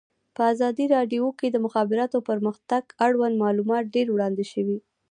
په ازادي راډیو کې د د مخابراتو پرمختګ اړوند معلومات ډېر وړاندې شوي.